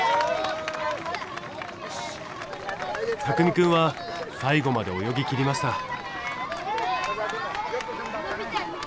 拓美くんは最後まで泳ぎきりました。